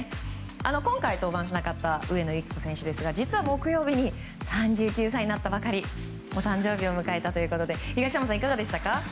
今回登板しなかった上野由岐子投手ですが実は木曜日に３９歳になったばかりお誕生日を迎えたということで東山さん、いかがでしたか。